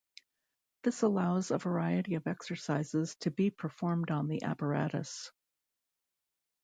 This allows a variety of exercises to be performed on the apparatus.